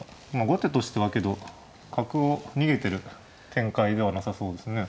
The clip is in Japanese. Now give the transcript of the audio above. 後手としてはけど角を逃げてる展開ではなさそうですね。